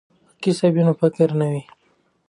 که کسب وي نو فقر نه وي.